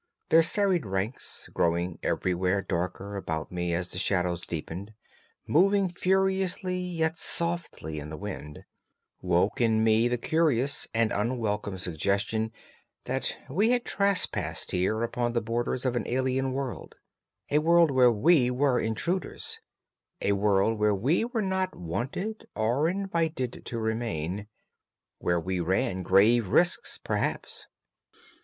Their serried ranks, growing everywhere darker about me as the shadows deepened, moving furiously yet softly in the wind, woke in me the curious and unwelcome suggestion that we had trespassed here upon the borders of an alien world, a world where we were intruders, a world where we were not wanted or invited to remain—where we ran grave risks perhaps!